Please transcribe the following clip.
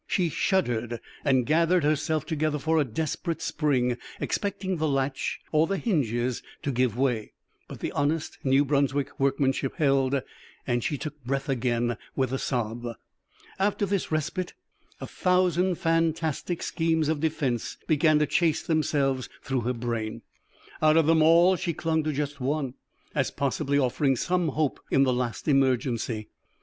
She shuddered and gathered herself together for a desperate spring, expecting the latch or the hinges to give way. But the honest New Brunswick workmanship held, and she took breath again with a sob. After this respite, a thousand fantastic schemes of defense began to chase themselves through her brain. Out of them all she clung to just one, as possibly offering some hope in the last emergency.